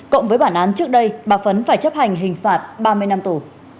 cộng với bản án trước đây bà phấn phải chấp hành hình phạt ba mươi năm tù